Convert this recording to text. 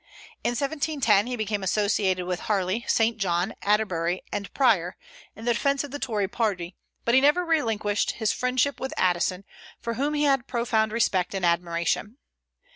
In 1710 he became associated with Harley, St. John, Atterbury, and Prior, in the defence of the Tory party; but he never relinquished his friendship with Addison, for whom he had profound respect and admiration.